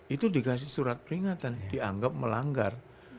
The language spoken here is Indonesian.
itu dikasih surat peringatan dianggap melanggar